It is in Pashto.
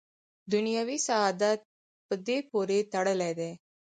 دنیوي سعادت په دې پورې تړلی دی.